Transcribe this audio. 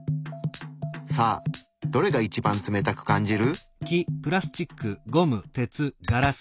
さあどれが一番冷たく感じる？